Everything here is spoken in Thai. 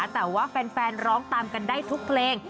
แต่ว่าแฟนร้องตามกันได้ทุกเพลง